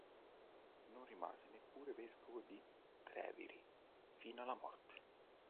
Non rimase neppure vescovo di Treviri fino alla morte.